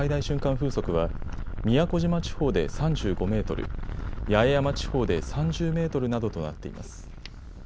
風速は宮古島地方で３５メートル、八重山地方で３０メートルなどとなっています。